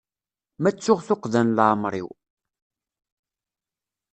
Ma ttuɣ tuqqda n leɛmer-iw.